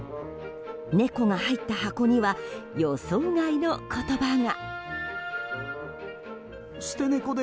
猫が入った箱には予想外の言葉が。